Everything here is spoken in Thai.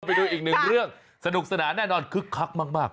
ไปดูอีกหนึ่งเรื่องสนุกสนานแน่นอนคึกคักมาก